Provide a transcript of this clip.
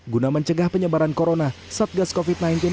guna mencegah penyebaran corona satgas covid sembilan belas